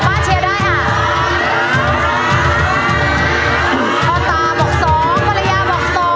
๒ครับ